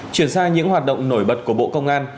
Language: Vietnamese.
chuyển sang những hoạt động nổi bật của bộ công an